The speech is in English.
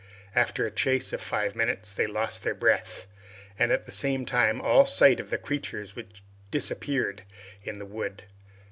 After a chase of five minutes, they lost their breath, and at the same time all sight of the creatures, which disappeared in the wood.